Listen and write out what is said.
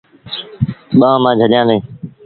ٻآݩهآݩ مآݩ جھليآݩدي۔